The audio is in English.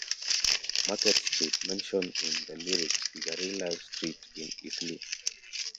Market Street, mentioned in the lyrics, is a real-life street in Eastleigh.